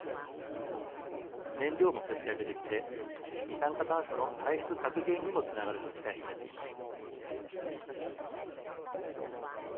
燃料も節約できて二酸化炭素の排出削減にもつながると期待されています。